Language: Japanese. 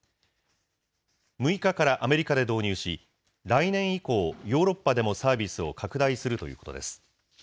６日からアメリカで導入し、来年以降、ヨーロッパでもサービスを拡大するということです。